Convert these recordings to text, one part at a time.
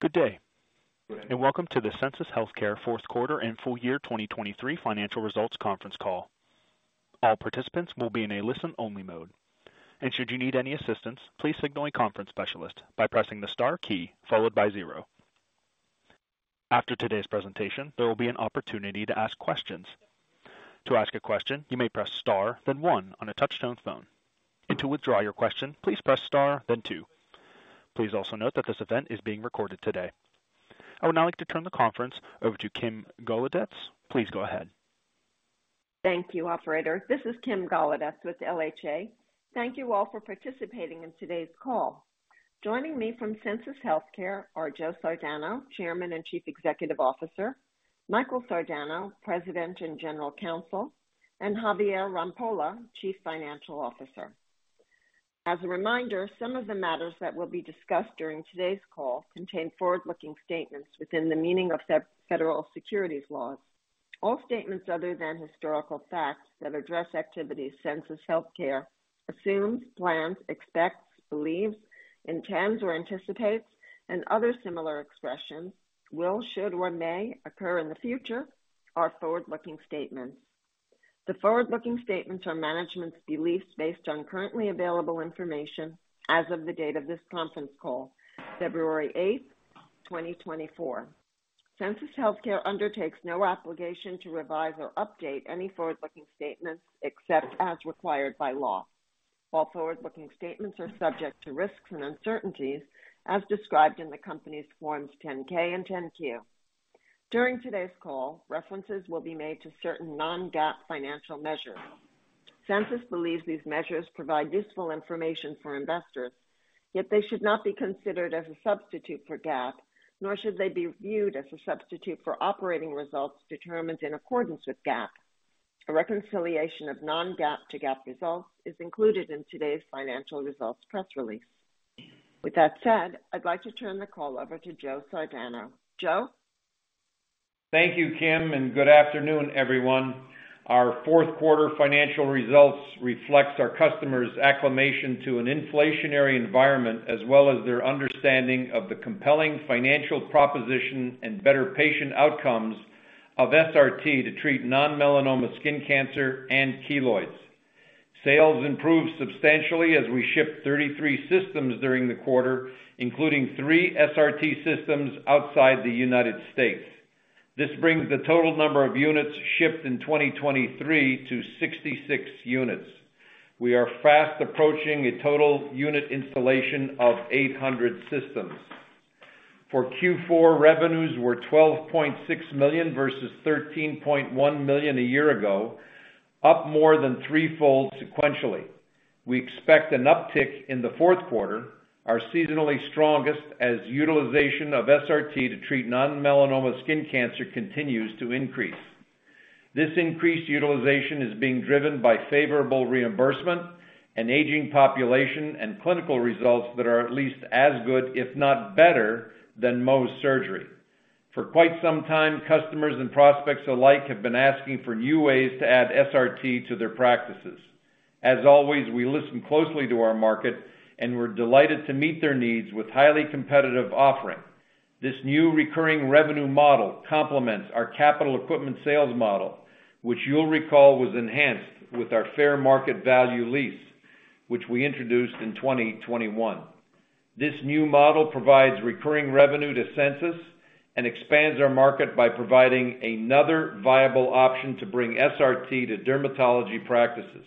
Good day. Good afternoon. Welcome to the Sensus Healthcare Q4 and full year 2023 financial results conference call. All participants will be in a listen-only mode. Should you need any assistance, please signal a conference specialist by pressing the star key followed by zero. After today's presentation, there will be an opportunity to ask questions. To ask a question, you may press star, then one, on a touch-tone phone. To withdraw your question, please press star, then two. Please also note that this event is being recorded today. I would now like to turn the conference over to Kim Golodetz. Please go ahead. Thank you, Operator. This is Kim Golodetz with LHA. Thank you all for participating in today's call. Joining me from Sensus Healthcare are Joseph Sardano, Chairman and Chief Executive Officer, Michael Sardano, President and General Counsel, and Javier Rampolla, Chief Financial Officer. As a reminder, some of the matters that will be discussed during today's call contain forward-looking statements within the meaning of federal securities laws. All statements other than historical facts that address activities Sensus Healthcare assumes, plans, expects, believes, intends, or anticipates, and other similar expressions (will, should, or may) occur in the future are forward-looking statements. The forward-looking statements are management's beliefs based on currently available information as of the date of this conference call, February 8, 2024. Sensus Healthcare undertakes no obligation to revise or update any forward-looking statements except as required by law. All forward-looking statements are subject to risks and uncertainties as described in the company's Forms 10-K and 10-Q. During today's call, references will be made to certain non-GAAP financial measures. Sensus believes these measures provide useful information for investors, yet they should not be considered as a substitute for GAAP, nor should they be viewed as a substitute for operating results determined in accordance with GAAP. A reconciliation of non-GAAP to GAAP results is included in today's financial results press release. With that said, I'd like to turn the call over to Joseph Sardano. Joseph? Thank you, Kim, and good afternoon, everyone. Our Q4financial results reflects our customers' acclimation to an inflationary environment as well as their understanding of the compelling financial proposition and better patient outcomes of SRT to treat non-melanoma skin cancer and keloids. Sales improved substantially as we shipped 33 systems during the quarter, including 3 SRT systems outside the United States. This brings the total number of units shipped in 2023 to 66 units. We are fast approaching a total unit installation of 800 systems. For Q4, revenues were $12.6 million versus $13.1 million a year ago, up more than threefold sequentially. We expect an uptick in the Q4, our seasonally strongest, as utilization of SRT to treat non-melanoma skin cancer continues to increase. This increased utilization is being driven by favorable reimbursement, an aging population, and clinical results that are at least as good, if not better, than Mohs surgery. For quite some time, customers and prospects alike have been asking for new ways to add SRT to their practices. As always, we listen closely to our market, and we're delighted to meet their needs with highly competitive offering. This new recurring revenue model complements our capital equipment sales model, which you'll recall was enhanced with our fair market value lease, which we introduced in 2021. This new model provides recurring revenue to Sensus and expands our market by providing another viable option to bring SRT to dermatology practices.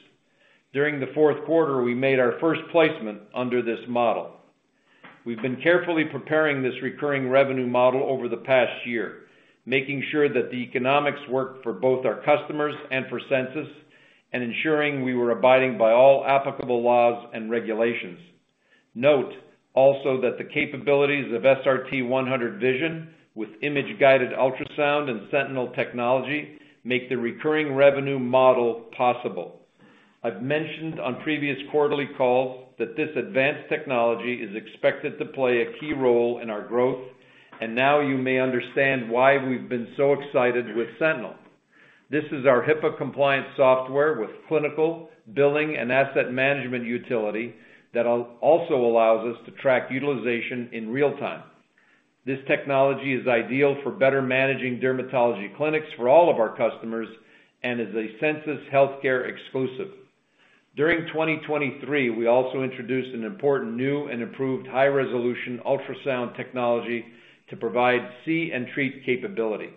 During the Q4, we made our first placement under this model. We've been carefully preparing this recurring revenue model over the past year, making sure that the economics worked for both our customers and for Sensus, and ensuring we were abiding by all applicable laws and regulations. Note also that the capabilities of SRT-100 Vision with image-guided ultrasound and Sentinel technology make the recurring revenue model possible. I've mentioned on previous quarterly calls that this advanced technology is expected to play a key role in our growth, and now you may understand why we've been so excited with Sentinel. This is our HIPAA-compliant software with clinical, billing, and asset management utility that also allows us to track utilization in real time. This technology is ideal for better managing dermatology clinics for all of our customers and is a Sensus Healthcare exclusive. During 2023, we also introduced an important new and improved high-resolution ultrasound technology to provide see-and-treat capability.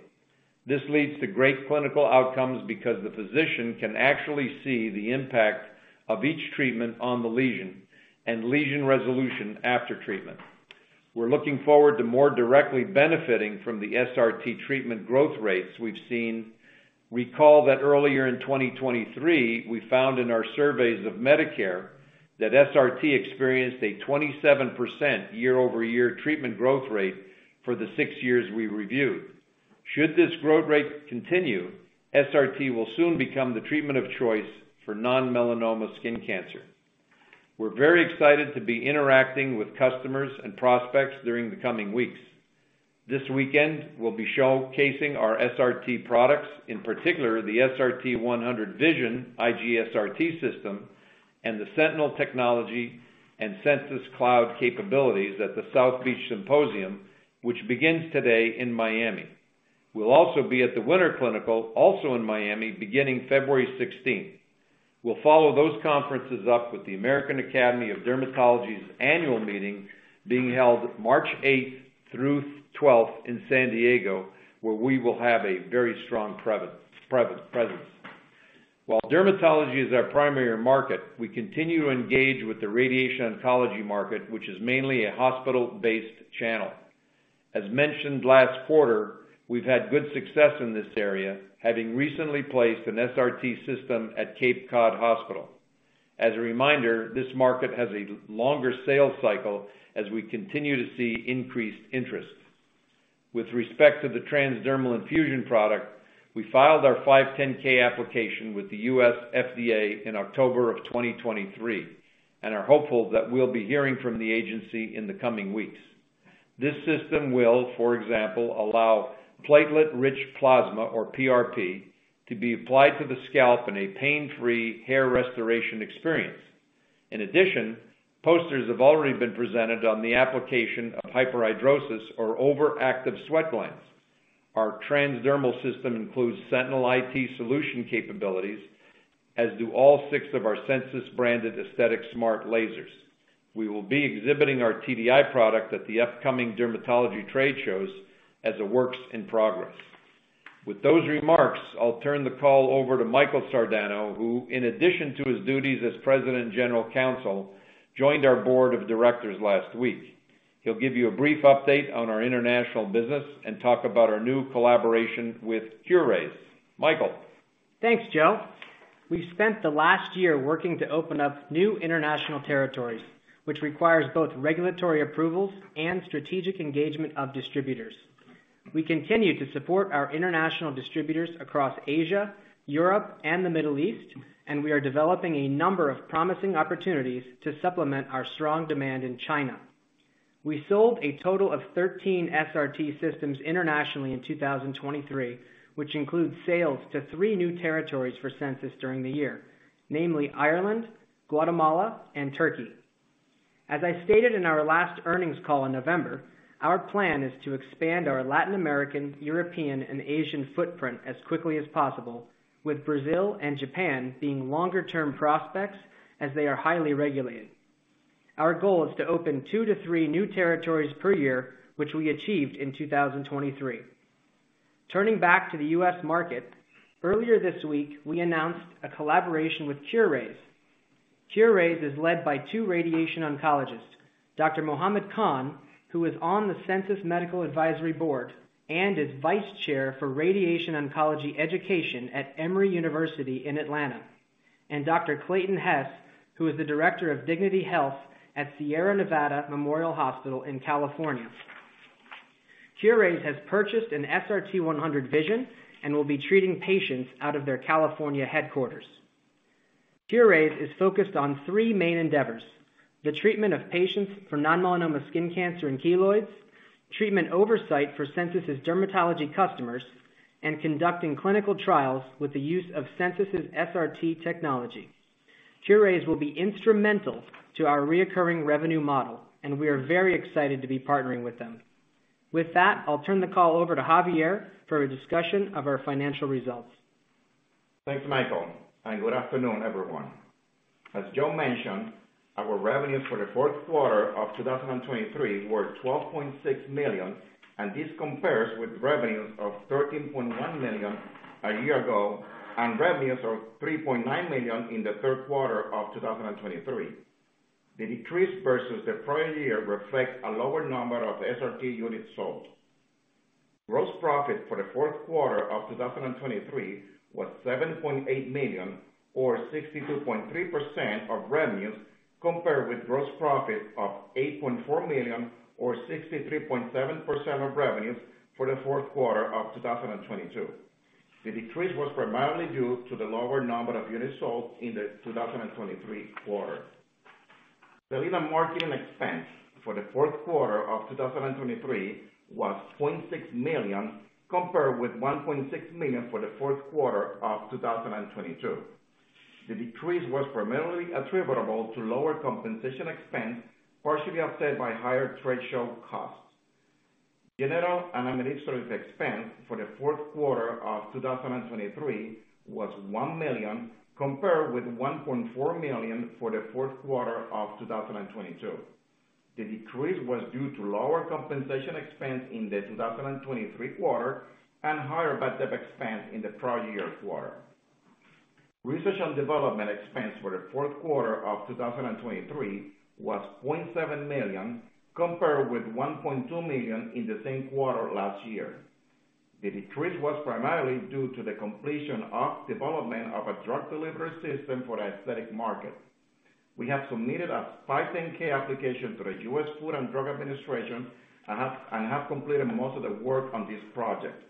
This leads to great clinical outcomes because the physician can actually see the impact of each treatment on the lesion and lesion resolution after treatment. We're looking forward to more directly benefiting from the SRT treatment growth rates we've seen. Recall that earlier in 2023, we found in our surveys of Medicare that SRT experienced a 27% year-over-year treatment growth rate for the six years we reviewed. Should this growth rate continue, SRT will soon become the treatment of choice for non-melanoma skin cancer. We're very excited to be interacting with customers and prospects during the coming weeks. This weekend, we'll be showcasing our SRT products, in particular the SRT-100 Vision IGSRT system and the Sentinel technology and Sensus Cloud capabilities at the South Beach Symposium, which begins today in Miami. We'll also be at the Winter Clinical, also in Miami, beginning February 16th. We'll follow those conferences up with the American Academy of Dermatology's annual meeting being held March 8th through 12th in San Diego, where we will have a very strong presence. While dermatology is our primary market, we continue to engage with the radiation oncology market, which is mainly a hospital-based channel. As mentioned last quarter, we've had good success in this area, having recently placed an SRT system at Cape Cod Hospital. As a reminder, this market has a longer sale cycle as we continue to see increased interest. With respect to the transdermal infusion product, we filed our 510(k) application with the U.S. FDA in October of 2023 and are hopeful that we'll be hearing from the agency in the coming weeks. This system will, for example, allow platelet-rich plasma, or PRP, to be applied to the scalp in a pain-free hair restoration experience. In addition, posters have already been presented on the application of hyperhidrosis, or overactive sweat glands. Our transdermal system includes Sentinel IT Solutions capabilities, as do all six of our Sensus-branded aesthetic smart lasers. We will be exhibiting our TDI product at the upcoming dermatology trade shows as a work in progress. With those remarks, I'll turn the call over to Michael Sardano, who, in addition to his duties as President and General Counsel, joined our board of directors last week. He'll give you a brief update on our international business and talk about our new collaboration with CureRay. Michael? Thanks, Joseph. We've spent the last year working to open up new international territories, which requires both regulatory approvals and strategic engagement of distributors. We continue to support our international distributors across Asia, Europe, and the Middle East, and we are developing a number of promising opportunities to supplement our strong demand in China. We sold a total of 13 SRT systems internationally in 2023, which includes sales to 3 new territories for Sensus during the year, namely Ireland, Guatemala, and Turkey. As I stated in our last earnings call in November, our plan is to expand our Latin American, European, and Asian footprint as quickly as possible, with Brazil and Japan being longer-term prospects as they are highly regulated. Our goal is to open 2-3 new territories per year, which we achieved in 2023. Turning back to the U.S. market, earlier this week, we announced a collaboration with CureAce. CureAce is led by two radiation oncologists, Dr. Mohammad Khan, who is on the Sensus Medical Advisory Board and is Vice Chair for Radiation Oncology Education at Emory University in Atlanta, and Dr. Clayton Hess, who is the Director of Radiation Oncology at Dignity Health Sierra Nevada Memorial Hospital in California. CureAce has purchased an SRT-100 Vision and will be treating patients out of their California headquarters. CureAce is focused on three main endeavors: the treatment of patients for non-melanoma skin cancer and keloids, treatment oversight for Sensus' dermatology customers, and conducting clinical trials with the use of Sensus' SRT technology. CureAce will be instrumental to our recurring revenue model, and we are very excited to be partnering with them. With that, I'll turn the call over to Javier for a discussion of our financial results. Thanks, Michael, and good afternoon, everyone. As Joseph mentioned, our revenues for the Q4 of 2023 were $12.6 million, and this compares with revenues of $13.1 million a year ago and revenues of $3.9 million in the Q3 of 2023. The decrease versus the prior year reflects a lower number of SRT units sold. Gross profit for the Q4 of 2023 was $7.8 million, or 62.3% of revenues compared with gross profit of $8.4 million, or 63.7% of revenues for the Q4 of 2022. The decrease was primarily due to the lower number of units sold in the 2023 quarter. Sales and marketing expense for the Q4 of 2023 was $0.6 million compared with $1.6 million for the Q4 of 2022. The decrease was primarily attributable to lower compensation expense, partially offset by higher trade show costs. General and administrative expense for the Q4 of 2023 was $1 million compared with $1.4 million for the Q4 of 2022. The decrease was due to lower compensation expense in the 2023 quarter and higher bad debt expense in the prior year quarter. Research and development expense for the Q4 of 2023 was $0.7 million compared with $1.2 million in the same quarter last year. The decrease was primarily due to the completion of development of a drug delivery system for the aesthetic market. We have submitted a 510(k) application to the U.S. Food and Drug Administration and have completed most of the work on this project.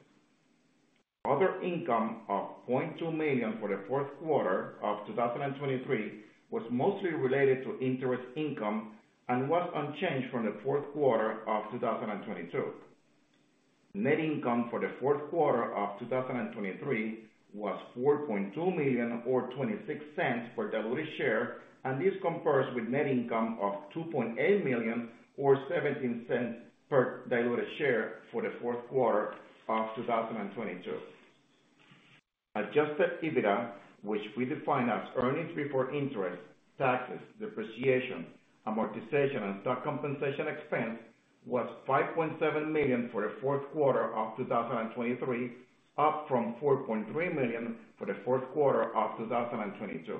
Other income of $0.2 million for the Q4 of 2023 was mostly related to interest income and was unchanged from the Q4 of 2022. Net income for the Q4 of 2023 was $4.2 million, or $0.26 per diluted share, and this compares with net income of $2.8 million, or $0.17 per diluted share, for the Q4 of 2022. Adjusted EBITDA, which we define as earnings before interest, taxes, depreciation, amortization, and stock compensation expense, was $5.7 million for the Q4 of 2023, up from $4.3 million for the Q4 of 2022.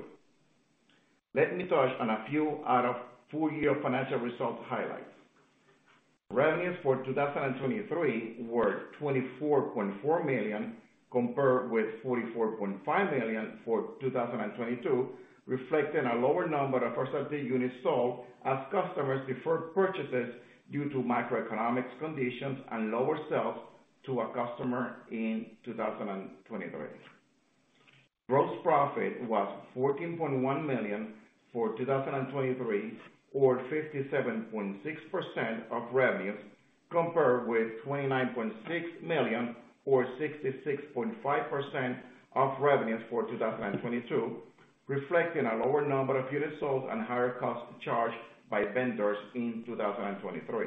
Let me touch on a few of the full-year financial results highlights. Revenues for 2023 were $24.4 million compared with $44.5 million for 2022, reflecting a lower number of SRT units sold as customers deferred purchases due to macroeconomic conditions and lower sales to a customer in 2023. Gross profit was $14.1 million for 2023, or 57.6% of revenues compared with $29.6 million, or 66.5% of revenues for 2022, reflecting a lower number of units sold and higher costs charged by vendors in 2023.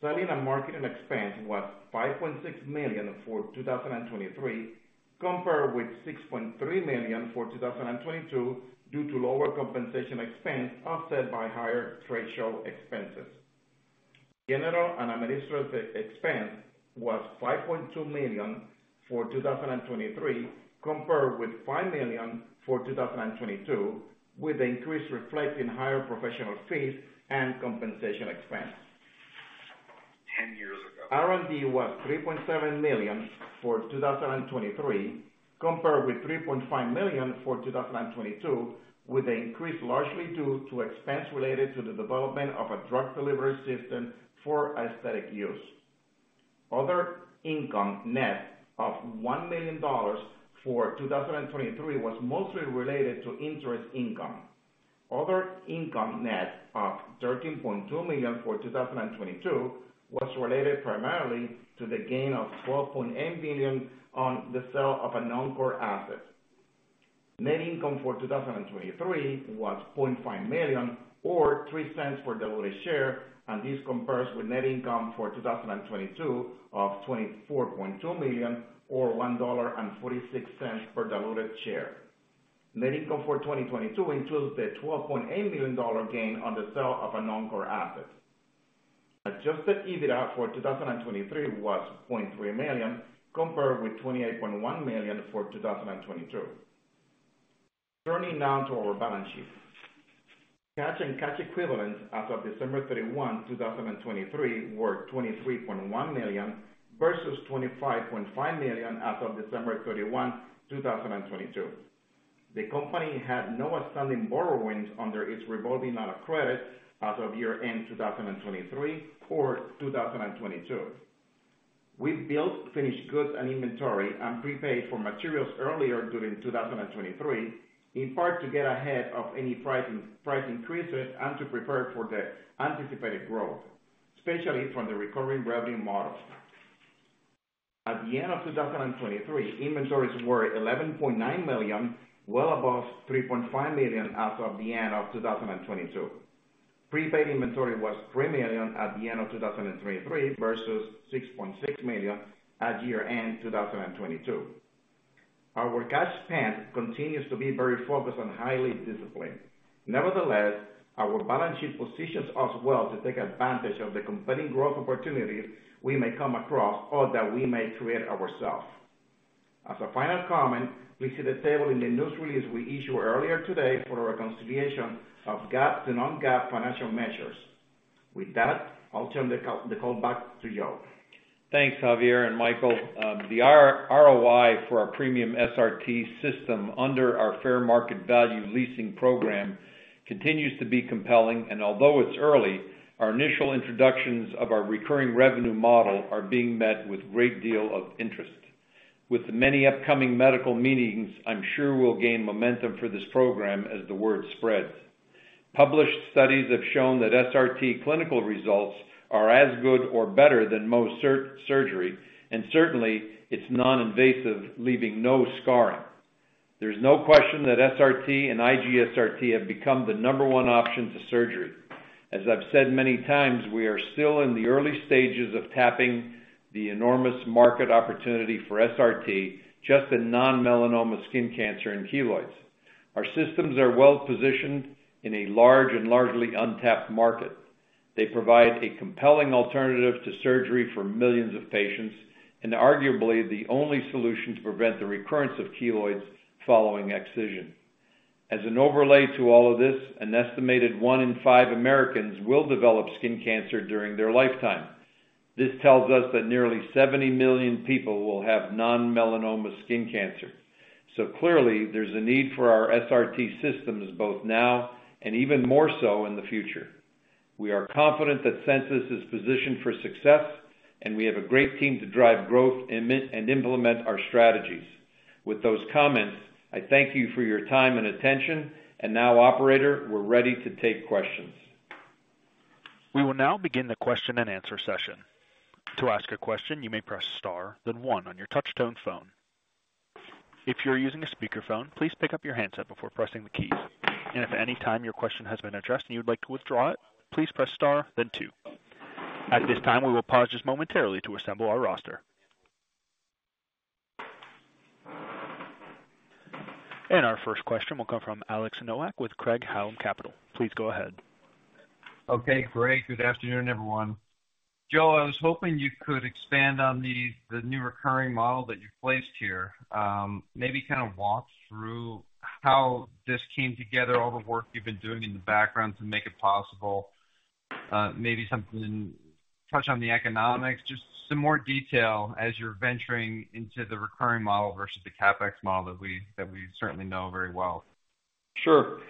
Sales and marketing expense was $5.6 million for 2023 compared with $6.3 million for 2022 due to lower compensation expense offset by higher trade show expenses. General and administrative expense was $5.2 million for 2023 compared with $5 million for 2022, with the increase reflecting higher professional fees and compensation expense. 10 years ago. R&D was $3.7 million for 2023 compared with $3.5 million for 2022, with the increase largely due to expense related to the development of a drug delivery system for aesthetic use. Other income net of $1 million for 2023 was mostly related to interest income. Other income net of $13.2 million for 2022 was related primarily to the gain of $12.8 million on the sale of a non-core asset. Net income for 2023 was $0.5 million, or $0.03 per diluted share, and this compares with net income for 2022 of $24.2 million, or $1.46 per diluted share. Net income for 2022 includes the $12.8 million gain on the sale of a non-core asset. Adjusted EBITDA for 2023 was $0.3 million compared with $28.1 million for 2022. Turning now to our balance sheet. Cash and cash equivalents as of December 31, 2023, were $23.1 million versus $25.5 million as of December 31, 2022. The company had no outstanding borrowings under its revolving amount of credit as of year-end 2023 or 2022. We built finished goods and inventory and prepaid for materials earlier during 2023, in part to get ahead of any price increases and to prepare for the anticipated growth, especially from the recurring revenue model. At the end of 2023, inventories were $11.9 million, well above $3.5 million as of the end of 2022. Prepaid inventory was $3 million at the end of 2023 versus $6.6 million at year-end 2022. Our cash spend continues to be very focused and highly disciplined. Nevertheless, our balance sheet positions us well to take advantage of the competing growth opportunities we may come across or that we may create ourselves. As a final comment, please see the table in the news release we issued earlier today for our reconciliation of GAAP to non-GAAP financial measures. With that, I'll turn the call back to Joseph. Thanks, Javier and Michael. The ROI for our premium SRT system under our Fair Market Value Leasing program continues to be compelling, and although it's early, our initial introductions of our recurring revenue model are being met with a great deal of interest. With the many upcoming medical meetings, I'm sure we'll gain momentum for this program as the word spreads. Published studies have shown that SRT clinical results are as good or better than most surgery, and certainly, it's non-invasive, leaving no scarring. There's no question that SRT and IGSRT have become the number one option to surgery. As I've said many times, we are still in the early stages of tapping the enormous market opportunity for SRT, just in non-melanoma skin cancer and keloids. Our systems are well positioned in a large and largely untapped market. They provide a compelling alternative to surgery for millions of patients and arguably the only solution to prevent the recurrence of keloids following excision. As an overlay to all of this, an estimated 1 in 5 Americans will develop skin cancer during their lifetime. This tells us that nearly 70 million people will have non-melanoma skin cancer. So clearly, there's a need for our SRT systems both now and even more so in the future. We are confident that Sensus is positioned for success, and we have a great team to drive growth and implement our strategies. With those comments, I thank you for your time and attention, and now, Operator, we're ready to take questions. We will now begin the question-and-answer session. To ask a question, you may press * then 1 on your touch-tone phone. If you're using a speakerphone, please pick up your handset before pressing the keys. If at any time your question has been addressed and you'd like to withdraw it, please press * then 2. At this time, we will pause just momentarily to assemble our roster. Our first question will come from Alexander Nowak with Craig-Hallum Capital Group. Please go ahead. Okay, great. Good afternoon, everyone. Joseph, I was hoping you could expand on the new recurring model that you've placed here, maybe kind of walk through how this came together, all the work you've been doing in the background to make it possible. Maybe touch on the economics, just some more detail as you're venturing into the recurring model versus the CapEx model that we certainly know very well. Sure.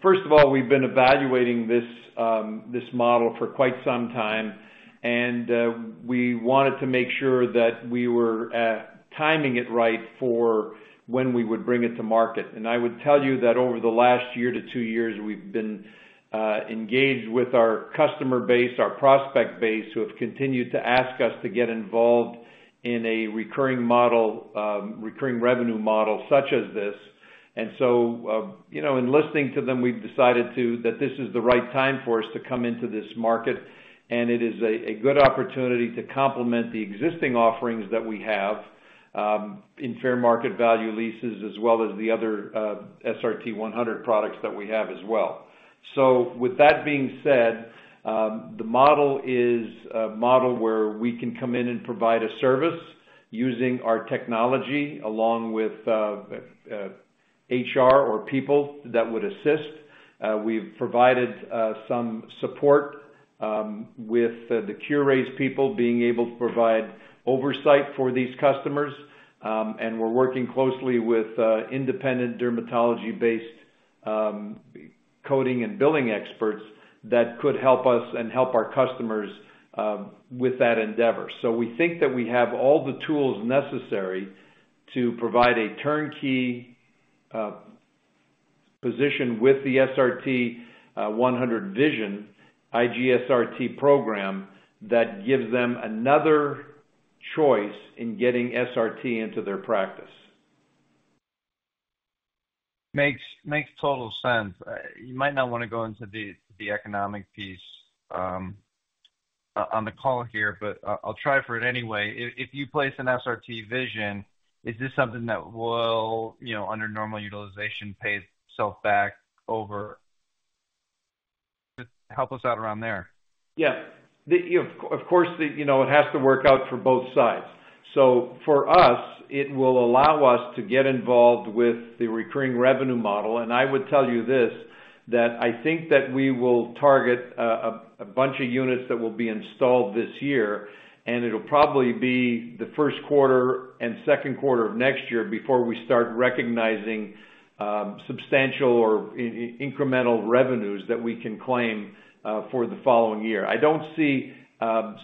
First of all, we've been evaluating this model for quite some time, and we wanted to make sure that we were timing it right for when we would bring it to market. I would tell you that over the last 1-2 years, we've been engaged with our customer base, our prospect base, who have continued to ask us to get involved in a recurring revenue model such as this. So in listening to them, we've decided that this is the right time for us to come into this market, and it is a good opportunity to complement the existing offerings that we have in fair market value leases as well as the other SRT-100 products that we have as well. So with that being said, the model is a model where we can come in and provide a service using our technology along with HR or people that would assist. We've provided some support with the CureAce people being able to provide oversight for these customers, and we're working closely with independent dermatology-based coding and billing experts that could help us and help our customers with that endeavor. So we think that we have all the tools necessary to provide a turnkey position with the SRT-100 Vision IG-SRT program that gives them another choice in getting SRT into their practice. Makes total sense. You might not want to go into the economic piece on the call here, but I'll try for it anyway. If you place an SRT Vision, is this something that will, under normal utilization, pay itself back over? Help us out around there. Yeah. Of course, it has to work out for both sides. So for us, it will allow us to get involved with the recurring revenue model, and I would tell you this, that I think that we will target a bunch of units that will be installed this year, and it'll probably be the Q1 and Q2 of next year before we start recognizing substantial or incremental revenues that we can claim for the following year. I don't see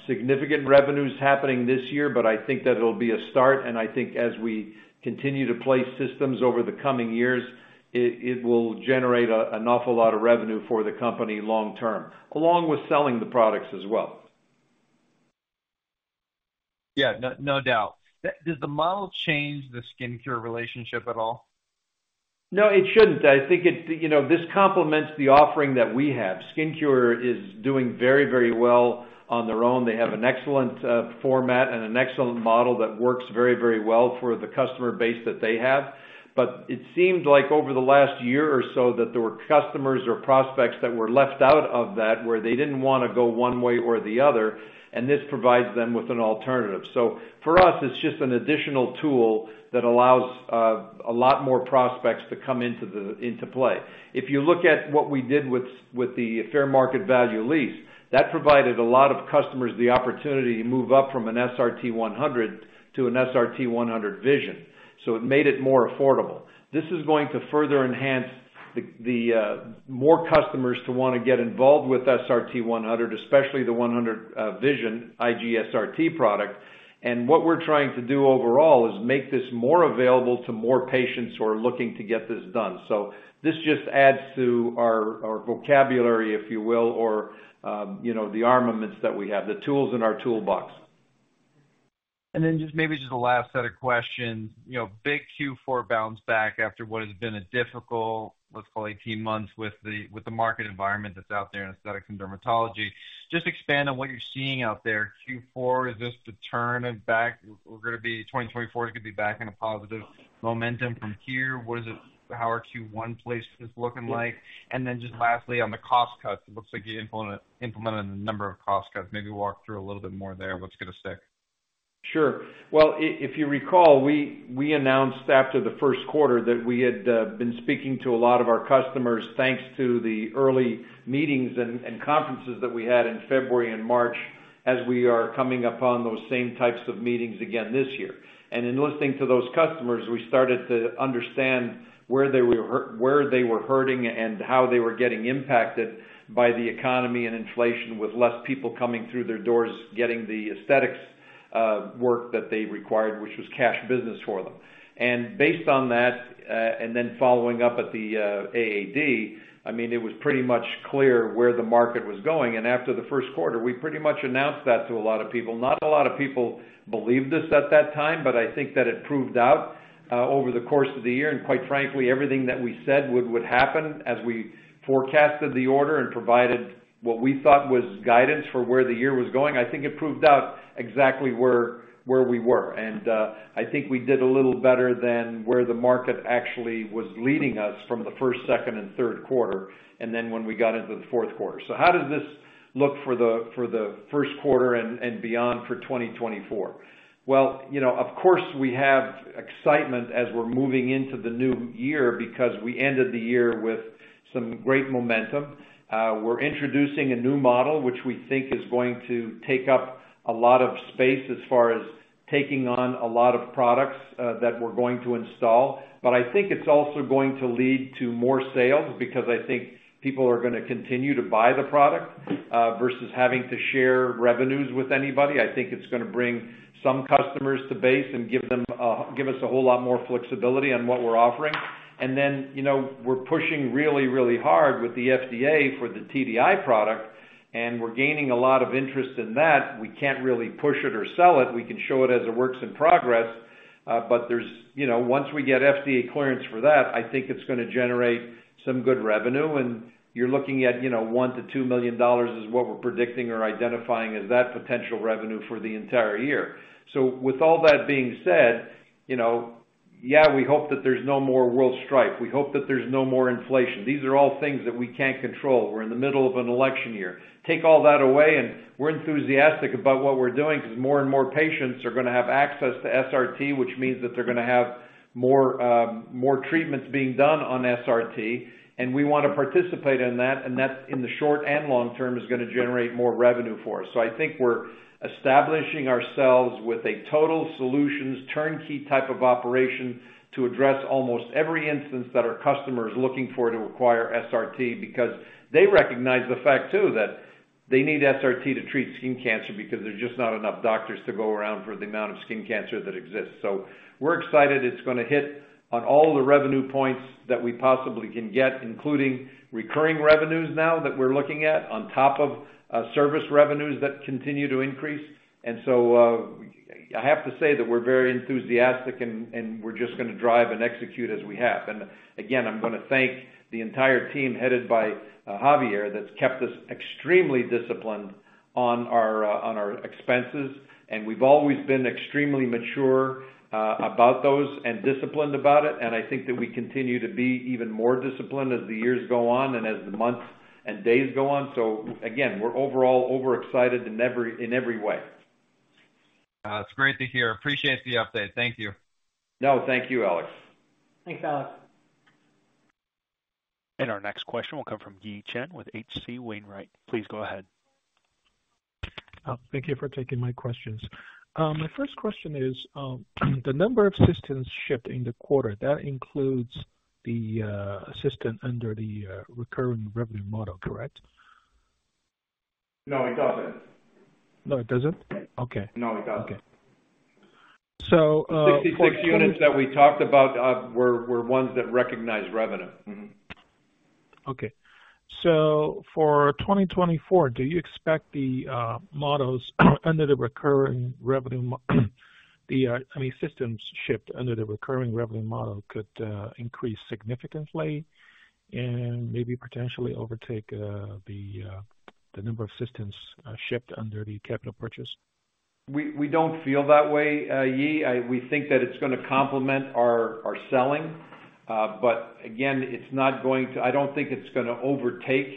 significant revenues happening this year, but I think that it'll be a start, and I think as we continue to place systems over the coming years, it will generate an awful lot of revenue for the company long term, along with selling the products as well. Yeah, no doubt. Does the model change the skincare relationship at all? No, it shouldn't. I think this complements the offering that we have. SkinCure is doing very, very well on their own. They have an excellent format and an excellent model that works very, very well for the customer base that they have. But it seemed like over the last year or so that there were customers or prospects that were left out of that where they didn't want to go one way or the other, and this provides them with an alternative. So for us, it's just an additional tool that allows a lot more prospects to come into play. If you look at what we did with the Fair Market Value lease, that provided a lot of customers the opportunity to move up from an SRT-100 to an SRT-100 Vision. So it made it more affordable. This is going to further enhance more customers to want to get involved with SRT-100, especially the 100 Vision IG-SRT product. And what we're trying to do overall is make this more available to more patients who are looking to get this done. So this just adds to our vocabulary, if you will, or the armaments that we have, the tools in our toolbox. And then maybe just the last set of questions. Big Q4 bounce back after what has been a difficult, let's call, 18 months with the market environment that's out there in aesthetics and dermatology. Just expand on what you're seeing out there. Q4, is this the turn back? We're going to be 2024 is going to be back in a positive momentum from here. How are Q1 places looking like? And then just lastly, on the cost cuts, it looks like you implemented a number of cost cuts. Maybe walk through a little bit more there, what's going to stick. Sure. Well, if you recall, we announced after the Q1 that we had been speaking to a lot of our customers thanks to the early meetings and conferences that we had in February and March as we are coming upon those same types of meetings again this year. In listening to those customers, we started to understand where they were hurting and how they were getting impacted by the economy and inflation with less people coming through their doors, getting the aesthetics work that they required, which was cash business for them. Based on that, and then following up at the AAD, I mean, it was pretty much clear where the market was going. After the Q1, we pretty much announced that to a lot of people. Not a lot of people believed us at that time, but I think that it proved out over the course of the year. And quite frankly, everything that we said would happen as we forecasted the order and provided what we thought was guidance for where the year was going. I think it proved out exactly where we were. And I think we did a little better than where the market actually was leading us from the first, second, and Q1, and then when we got into the Q4. So how does this look for the Q1 and beyond for 2024? Well, of course, we have excitement as we're moving into the new year because we ended the year with some great momentum. We're introducing a new model, which we think is going to take up a lot of space as far as taking on a lot of products that we're going to install. But I think it's also going to lead to more sales because I think people are going to continue to buy the product versus having to share revenues with anybody. I think it's going to bring some customers to base and give us a whole lot more flexibility on what we're offering. And then we're pushing really, really hard with the FDA for the TDI product, and we're gaining a lot of interest in that. We can't really push it or sell it. We can show it as a work in progress. But once we get FDA clearance for that, I think it's going to generate some good revenue, and you're looking at $1 million-$2 million is what we're predicting or identifying as that potential revenue for the entire year. So with all that being said, yeah, we hope that there's no more world strife. We hope that there's no more inflation. These are all things that we can't control. We're in the middle of an election year. Take all that away, and we're enthusiastic about what we're doing because more and more patients are going to have access to SRT, which means that they're going to have more treatments being done on SRT. And we want to participate in that, and that, in the short and long term, is going to generate more revenue for us. So I think we're establishing ourselves with a total solutions turnkey type of operation to address almost every instance that our customers are looking for to acquire SRT because they recognize the fact, too, that they need SRT to treat skin cancer because there's just not enough doctors to go around for the amount of skin cancer that exists. So we're excited it's going to hit on all the revenue points that we possibly can get, including recurring revenues now that we're looking at, on top of service revenues that continue to increase. And so I have to say that we're very enthusiastic, and we're just going to drive and execute as we have. And again, I'm going to thank the entire team headed by Javier that's kept us extremely disciplined on our expenses. We've always been extremely mature about those and disciplined about it, and I think that we continue to be even more disciplined as the years go on and as the months and days go on. Again, we're overall overexcited in every way. It's great to hear. Appreciate the update. Thank you. No, thank you, Alexander. Thanks, Alexander. Our next question will come from Yi Chen with H.C. Wainwright. Please go ahead. Thank you for taking my questions. My first question is, the number of systems shipped in the quarter, that includes the system under the recurring revenue model, correct? No, it doesn't. No, it doesn't? Okay. No, it doesn't. Okay. So. The 66 units that we talked about were ones that recognize revenue. Okay. For 2024, do you expect the models under the recurring revenue, I mean, systems shift under the recurring revenue model could increase significantly and maybe potentially overtake the number of systems shift under the capital purchase? We don't feel that way, Yi. We think that it's going to complement our selling. But again, it's not going to, I don't think it's going to overtake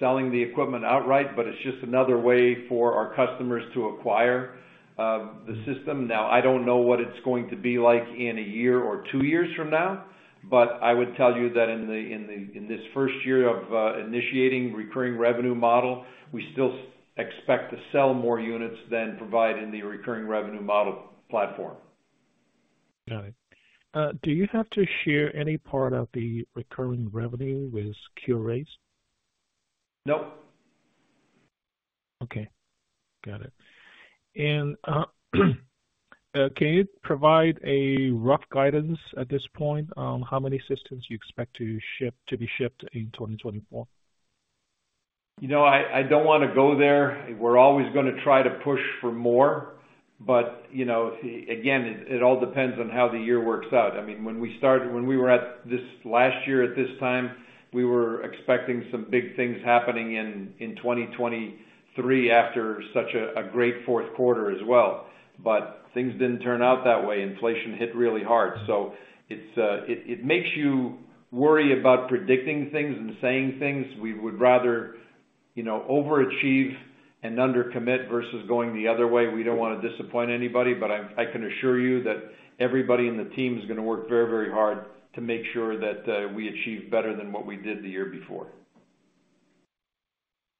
selling the equipment outright, but it's just another way for our customers to acquire the system. Now, I don't know what it's going to be like in a year or two years from now, but I would tell you that in this first year of initiating recurring revenue model, we still expect to sell more units than provide in the recurring revenue model platform. Got it. Do you have to share any part of the recurring revenue with CureAce? Nope. Okay. Got it. Can you provide a rough guidance at this point on how many systems you expect to be shipped in 2024? I don't want to go there. We're always going to try to push for more. But again, it all depends on how the year works out. I mean, when we started when we were at this last year at this time, we were expecting some big things happening in 2023 after such a great Q4 as well. But things didn't turn out that way. Inflation hit really hard. So it makes you worry about predicting things and saying things. We would rather overachieve and undercommit versus going the other way. We don't want to disappoint anybody, but I can assure you that everybody in the team is going to work very, very hard to make sure that we achieve better than what we did the year before.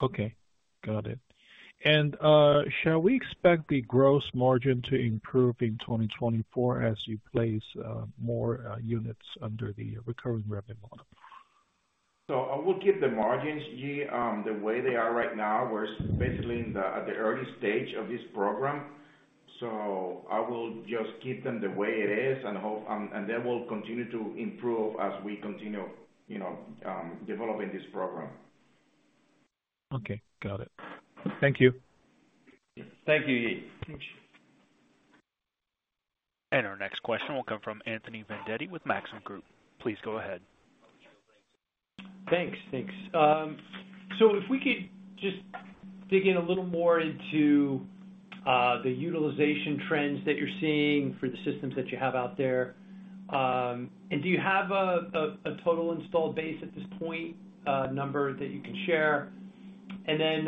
Okay. Got it. And shall we expect the gross margin to improve in 2024 as you place more units under the recurring revenue model? I will keep the margins, Yi, the way they are right now. We're basically at the early stage of this program, so I will just keep them the way it is and then we'll continue to improve as we continue developing this program. Okay. Got it. Thank you. Thank you, Yi. Thank you. Our next question will come from Anthony Vendetti with Maxim Group. Please go ahead. Thanks. Thanks. So if we could just dig in a little more into the utilization trends that you're seeing for the systems that you have out there. And do you have a total installed base at this point, a number that you can share? And then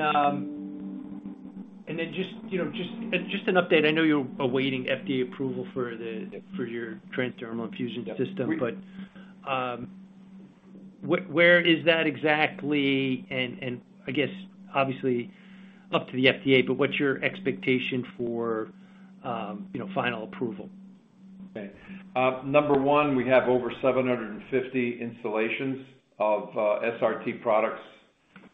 just an update. I know you're awaiting FDA approval for your transdermal infusion system, but where is that exactly? And I guess, obviously, up to the FDA, but what's your expectation for final approval? Okay. Number one, we have over 750 installations of SRT products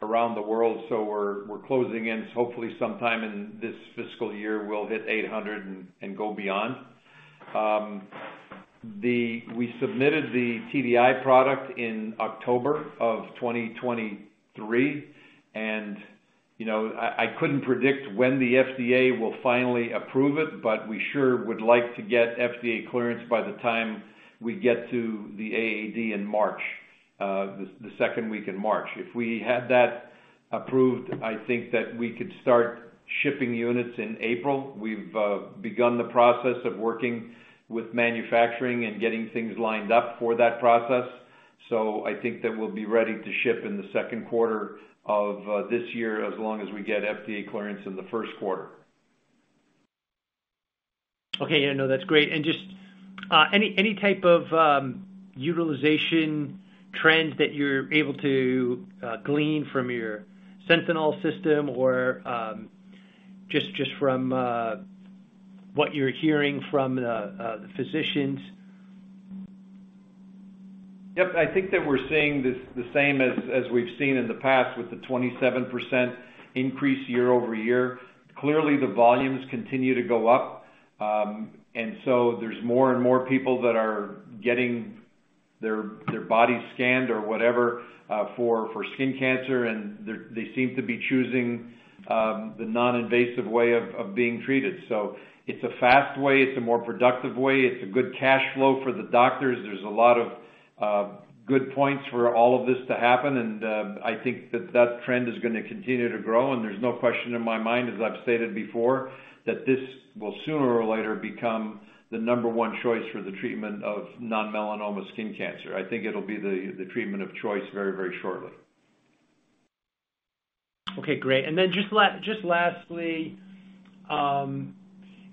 around the world, so we're closing in. So hopefully, sometime in this fiscal year, we'll hit 800 and go beyond. We submitted the TDI product in October of 2023, and I couldn't predict when the FDA will finally approve it, but we sure would like to get FDA clearance by the time we get to the AAD in March, the second week in March. If we had that approved, I think that we could start shipping units in April. We've begun the process of working with manufacturing and getting things lined up for that process. So I think that we'll be ready to ship in the Q2 of this year as long as we get FDA clearance in the Q1. Okay. Yeah. No, that's great. Just any type of utilization trend that you're able to glean from your Sentinel system or just from what you're hearing from the physicians? Yep. I think that we're seeing the same as we've seen in the past with the 27% increase year-over-year. Clearly, the volumes continue to go up, and so there's more and more people that are getting their bodies scanned or whatever for skin cancer, and they seem to be choosing the non-invasive way of being treated. So it's a fast way. It's a more productive way. It's a good cash flow for the doctors. There's a lot of good points for all of this to happen, and I think that that trend is going to continue to grow. And there's no question in my mind, as I've stated before, that this will sooner or later become the number one choice for the treatment of non-melanoma skin cancer. I think it'll be the treatment of choice very, very shortly. Okay. Great. And then just lastly,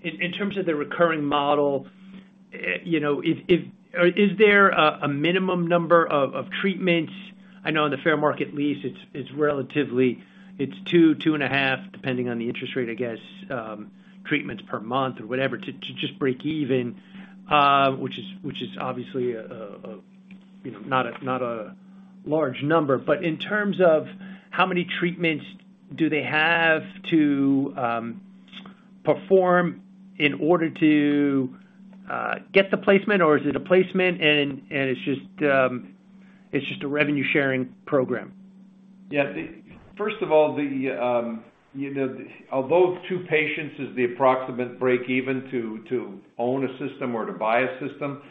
in terms of the recurring model, is there a minimum number of treatments? I know on the fair market lease, it's relatively 2-2.5, depending on the interest rate, I guess, treatments per month or whatever to just break even, which is obviously not a large number. But in terms of how many treatments do they have to perform in order to get the placement, or is it a placement and it's just a revenue-sharing program? Yeah. First of all, although two patients is the approximate break-even to own a system or to buy a system,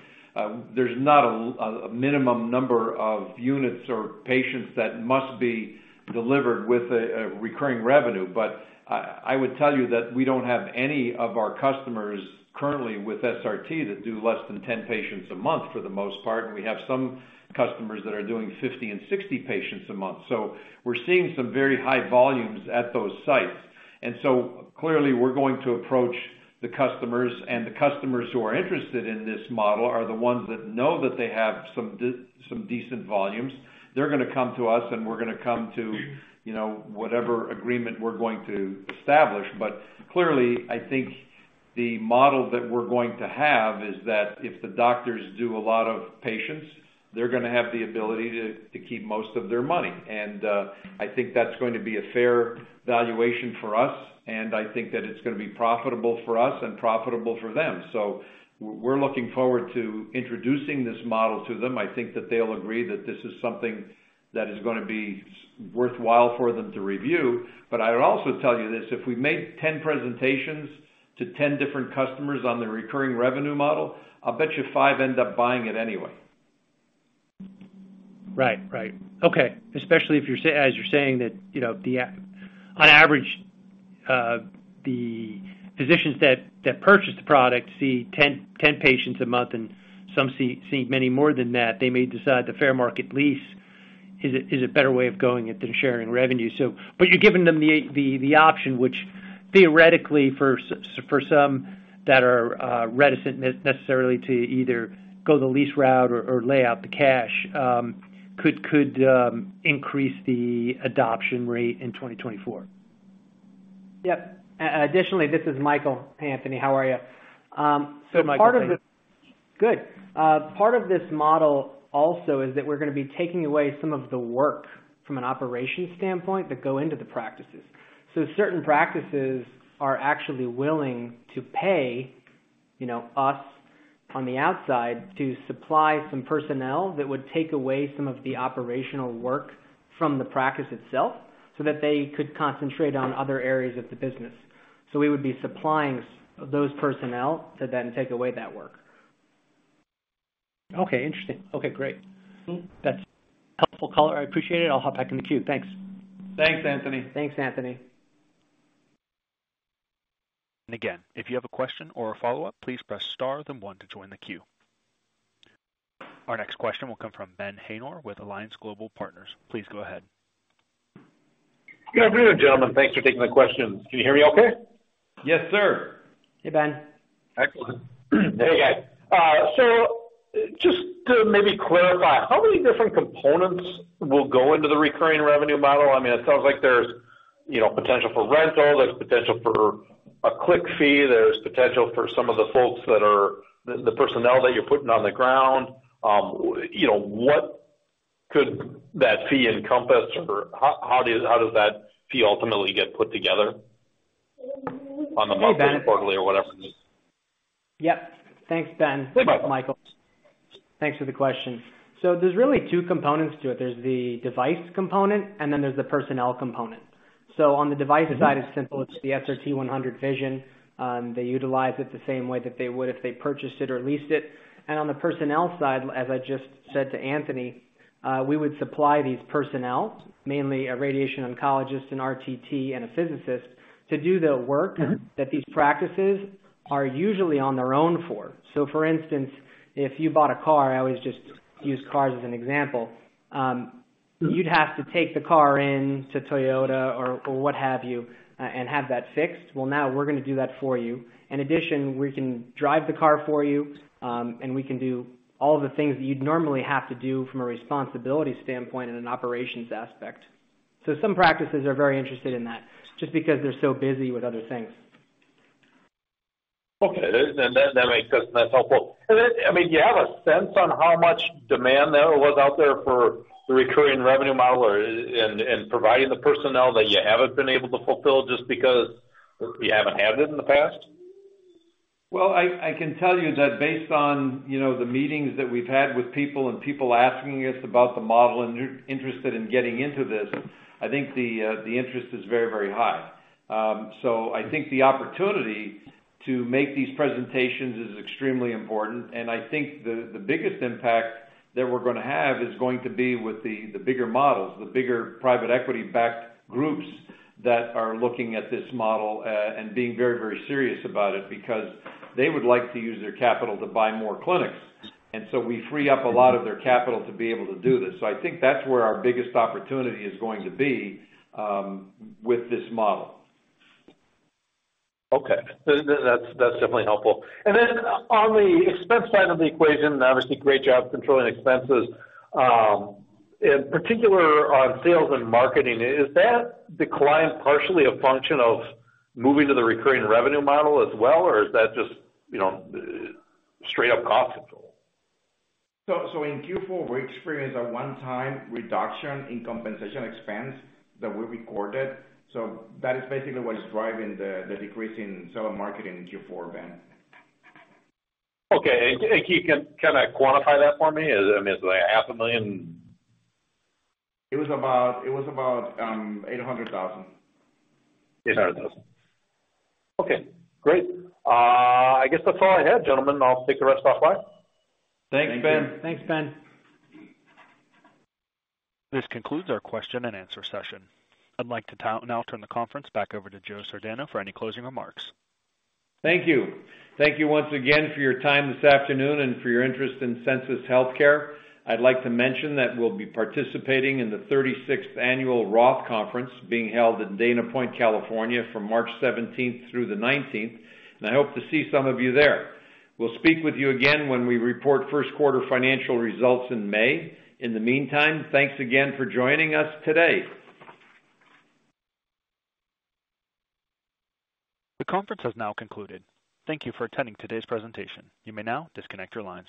there's not a minimum number of units or patients that must be delivered with recurring revenue. But I would tell you that we don't have any of our customers currently with SRT that do less than 10 patients a month for the most part, and we have some customers that are doing 50 and 60 patients a month. So we're seeing some very high volumes at those sites. And so clearly, we're going to approach the customers, and the customers who are interested in this model are the ones that know that they have some decent volumes. They're going to come to us, and we're going to come to whatever agreement we're going to establish. But clearly, I think the model that we're going to have is that if the doctors do a lot of patients, they're going to have the ability to keep most of their money. And I think that's going to be a fair valuation for us, and I think that it's going to be profitable for us and profitable for them. So we're looking forward to introducing this model to them. I think that they'll agree that this is something that is going to be worthwhile for them to review. But I'd also tell you this. If we made 10 presentations to 10 different customers on the recurring revenue model, I bet you 5 end up buying it anyway. Right. Right. Okay. Especially as you're saying that on average, the physicians that purchase the product see 10 patients a month, and some see many more than that. They may decide the fair market lease is a better way of going at than sharing revenue. But you're giving them the option, which theoretically, for some that are reticent necessarily to either go the lease route or lay out the cash, could increase the adoption rate in 2024. Yep. Additionally, this is Michael. Hey, Anthony. How are you? Hey, Michael. So, part of this good. Part of this model also is that we're going to be taking away some of the work from an operations standpoint that go into the practices. Certain practices are actually willing to pay us on the outside to supply some personnel that would take away some of the operational work from the practice itself so that they could concentrate on other areas of the business. We would be supplying those personnel to then take away that work. Okay. Interesting. Okay. Great. That's helpful color. I appreciate it. I'll hop back in the queue. Thanks. Thanks, Anthony. Thanks, Anthony. And again, if you have a question or a follow-up, please press star then one to join the queue. Our next question will come from Ben Haynor with Alliance Global Partners. Please go ahead. Good afternoon, gentlemen. Thanks for taking the questions. Can you hear me okay? Yes, sir. Hey, Ben. Excellent. Hey, guys. So just to maybe clarify, how many different components will go into the recurring revenue model? I mean, it sounds like there's potential for rental. There's potential for a click fee. There's potential for some of the folks that are the personnel that you're putting on the ground. What could that fee encompass, or how does that fee ultimately get put together on the monthly or quarterly or whatever it is? Yep. Thanks, Ben. Hey, Michael. Thanks for the question. So there's really two components to it. There's the device component, and then there's the personnel component. So on the device side, it's simple. It's the SRT-100 Vision. They utilize it the same way that they would if they purchased it or leased it. And on the personnel side, as I just said to Anthony, we would supply these personnel, mainly a radiation oncologist and RTT and a physicist, to do the work that these practices are usually on their own for. So for instance, if you bought a car - I always just use cars as an example - you'd have to take the car in to Toyota or what have you and have that fixed. Well, now we're going to do that for you. In addition, we can drive the car for you, and we can do all the things that you'd normally have to do from a responsibility standpoint and an operations aspect. So some practices are very interested in that just because they're so busy with other things. Okay. That makes sense. That's helpful. I mean, do you have a sense on how much demand there was out there for the recurring revenue model and providing the personnel that you haven't been able to fulfill just because you haven't had it in the past? Well, I can tell you that based on the meetings that we've had with people and people asking us about the model and interested in getting into this, I think the interest is very, very high. So I think the opportunity to make these presentations is extremely important. And I think the biggest impact that we're going to have is going to be with the bigger models, the bigger private equity-backed groups that are looking at this model and being very, very serious about it because they would like to use their capital to buy more clinics. And so we free up a lot of their capital to be able to do this. So I think that's where our biggest opportunity is going to be with this model. Okay. That's definitely helpful. And then on the expense side of the equation, obviously, great job controlling expenses. In particular, on sales and marketing, is that decline partially a function of moving to the recurring revenue model as well, or is that just straight-up cost control? So in Q4, we experienced a one-time reduction in compensation expense that we recorded. So that is basically what is driving the decrease in sales and marketing in Q4, Ben. Okay. And can you kind of quantify that for me? I mean, is it like $500,000? It was about $800,000. $800,000. Okay. Great. I guess that's all I had, gentlemen. I'll take the rest off my end. Thanks, Ben. Thanks, Ben. This concludes our question and answer session. I'd like to now turn the conference back over to Joseph Sardano for any closing remarks. Thank you. Thank you once again for your time this afternoon and for your interest in Sensus Healthcare. I'd like to mention that we'll be participating in the 36th annual Roth Conference being held in Dana Point, California, from March 17th through the 19th, and I hope to see some of you there. We'll speak with you again when we report Q1 financial results in May. In the meantime, thanks again for joining us today. The conference has now concluded. Thank you for attending today's presentation. You may now disconnect your lines.